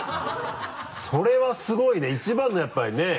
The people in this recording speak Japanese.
それはすごいね一番のやっぱりね。